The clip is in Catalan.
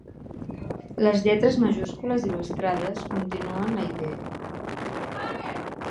Les lletres majúscules il·lustrades continuen la idea.